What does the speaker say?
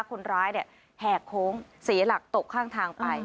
คนร้ายแหกโค้งเสียหลักตกข้างทางไป